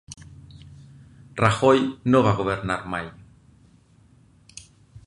Rajoy no va governar mai